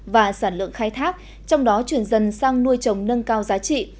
và sản lượng khai thác trong đó chuyển dần sang nuôi trồng nâng cao giá trị